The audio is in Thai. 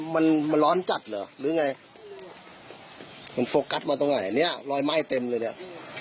มันร้อนจัดหรือไงมันโฟกัสมาตรงไหนนี่ลอยไหม้เต็มเลย